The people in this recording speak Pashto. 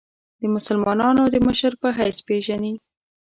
د مسلمانانو د مشر په حیث پېژني.